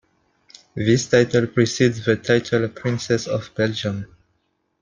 This title precedes the title "Princess of Belgium".